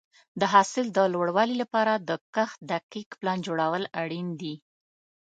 د حاصل د لوړوالي لپاره د کښت دقیق پلان جوړول اړین دي.